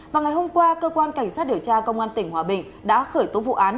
vào ngày hôm qua cơ quan cảnh sát điều tra công an tỉnh hòa bình đã khởi tố vụ án